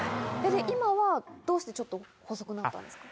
今は、どうしてちょっと細くなったんですか。